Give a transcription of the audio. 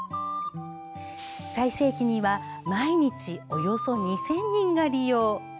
最盛期には、毎日およそ２０００人が利用。